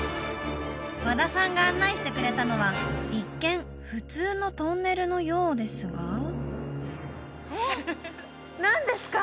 和田さんが案内してくれたのは一見普通のトンネルのようですがえっ何ですか？